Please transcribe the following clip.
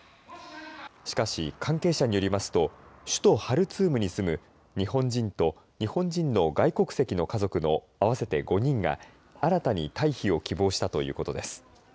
しかし、関係者によりますと首都ハルツームに住む日本人と日本人の外国籍の家族の合わせて５人が新たに退避を希望したということです。